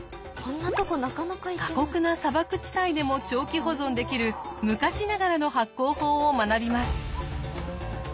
過酷な砂漠地帯でも長期保存できる昔ながらの発酵法を学びます。